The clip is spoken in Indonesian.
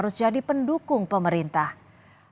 perusahaan yang penting untuk pemerintahan